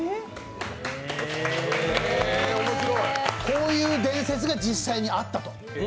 こういう伝説が実際にあったと。